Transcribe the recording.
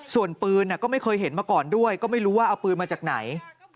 ส่วนปืนก็ไม่เคยเห็นมาก่อนด้วยก็ไม่รู้ว่าเอาปืนมาจากไหน